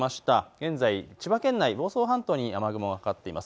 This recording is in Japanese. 現在、千葉県内房総半島に雲がかかっています。